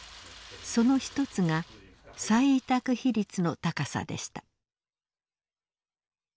その一つが再委託比率の高さでした。